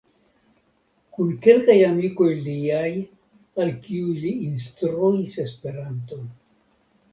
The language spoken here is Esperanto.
Kun kelkaj amikoj liaj, al kiuj li instruis Esperanton.